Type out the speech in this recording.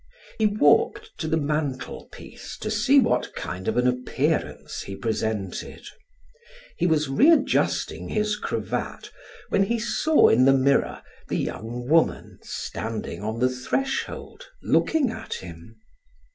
He walked to the mantelpiece to see what kind of an appearance he presented: he was readjusting his cravat when he saw in the mirror the young woman standing on the threshold looking at him.